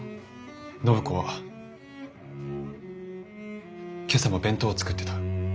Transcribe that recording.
暢子は今朝も弁当を作ってた。